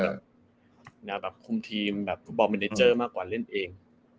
แบบคุมทีมแบบฟุตบอลเมเนเจอร์มากกว่าเล่นเอง